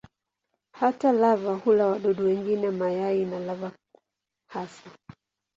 Hata lava hula wadudu wengine, mayai na lava hasa.